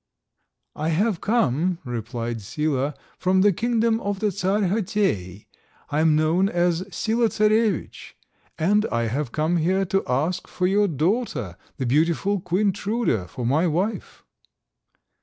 "I have come," replied Sila, "from the kingdom of the Czar Chotei; I am known as Sila Czarovitch, and I have come here to ask for your daughter, the beautiful Queen Truda, for my wife."